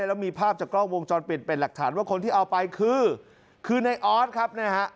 แล้วมีภาพจากกล้องวงจรปิดเป็นหลักฐานว่าคนที่เอาไปคือคือในออสครับเนี่ยฮะ